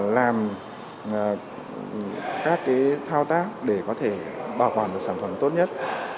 làm các thao tác để có thể bảo quản được sản phẩm tốt nhất